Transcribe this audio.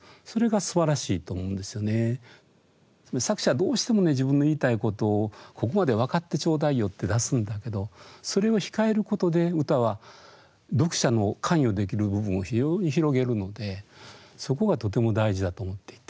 作者はどうしてもね自分の言いたいことを「ここまで分かってちょうだいよ」って出すんだけどそれを控えることで歌は読者の関与できる部分を非常に広げるのでそこがとても大事だと思っていて。